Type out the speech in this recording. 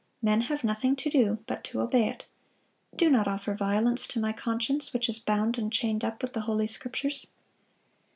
Men have nothing to do but to obey it. Do not offer violence to my conscience, which is bound and chained up with the Holy Scriptures."